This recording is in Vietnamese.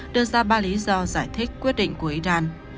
đưa ra ba lý do giải thích quyết định của iran